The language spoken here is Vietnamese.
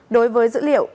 đối với dữ liệu